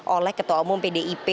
oleh ketua umum pdip